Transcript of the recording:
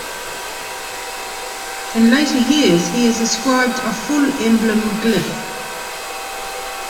In later years, he is ascribed a full emblem glyph.